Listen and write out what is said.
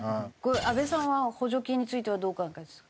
安部さんは補助金についてはどうお考えですか？